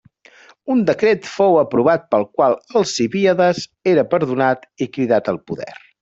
Un decret fou aprovat pel qual Alcibíades era perdonat i cridat al poder.